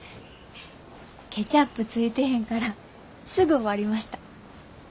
ケチャップついてへんからすぐ終わりました。